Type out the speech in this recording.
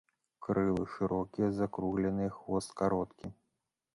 Крылы шырокія, закругленыя, хвост кароткі.